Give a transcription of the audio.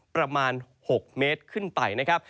ประมาณ๖เมตรขึ้นไปนะครับ